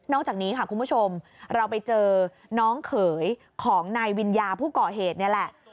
จากนี้ค่ะคุณผู้ชมเราไปเจอน้องเขยของนายวิญญาผู้ก่อเหตุนี่แหละ